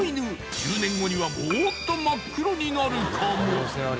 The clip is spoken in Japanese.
１０年後にはもっと真っ黒になるかも？